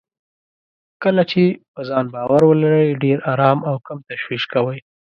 کله چې په ځان باور ولرئ، ډېر ارام او کم تشويش کوئ.